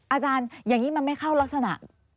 อาจารย์อย่างนี้มันไม่เข้ารักษณะ